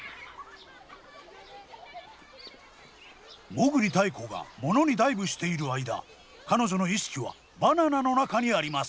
裳繰泰子がモノにダイブしている間彼女の意識はバナナの中にあります。